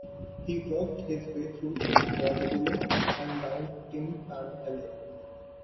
He worked his way through Vaudeville and down Tin Pan Alley.